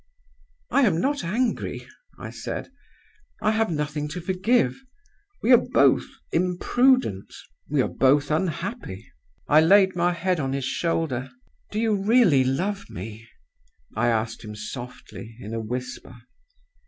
"'I am not angry,' I said; 'I have nothing to forgive. We are both imprudent; we are both unhappy.' I laid my head on his shoulder. 'Do you really love me?' I asked him, softly, in a whisper.